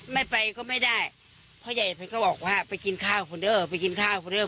ไม่ไปก็ไม่ได้พ่อใหญ่มันก็บอกว่าไปกินข้าวคนเด้อไปกินข้าวคนเด้อ